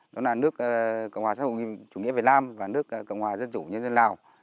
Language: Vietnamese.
đó là nước cộng hòa xã hội chủ nghĩa việt nam và nước cộng hòa dân chủ nhân dân lào